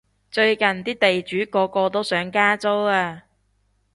最近啲地主個個都想加租啊